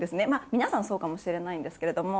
皆さんそうかもしれないんですけれども。